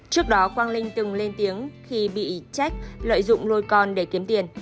trước đó quang linh từng lên tiếng khi bị trách lợi dụng lôi con để kiếm tiền